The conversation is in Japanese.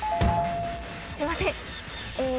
すいません。